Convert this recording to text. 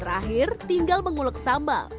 terakhir tinggal menguluk sambal